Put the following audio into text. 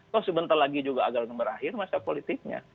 terus sebentar lagi agar bisa berakhir masa politiknya